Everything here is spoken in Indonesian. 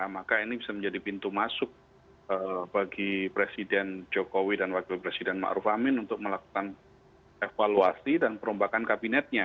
maka ini bisa menjadi pintu masuk bagi presiden jokowi dan wakil presiden ⁇ maruf ⁇ amin untuk melakukan evaluasi dan perombakan kabinetnya